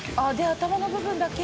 頭の部分だけ？